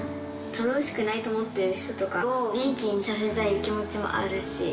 楽しくないと思ってる人とかを元気にさせたい気持ちもあるし。